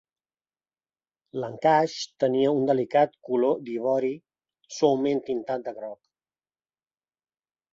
L'encaix tenia un delicat color d'ivori, suaument tintat de groc.